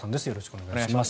お願いします。